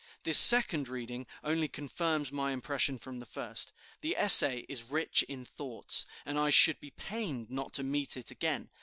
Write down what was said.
This second reading only confirms my impression from the first. The essay is rich in thoughts, and I should be pained not to meet it again.